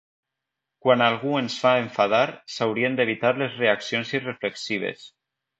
Quan algú ens fa enfadar, s'haurien d'evitar les reaccions irreflexives.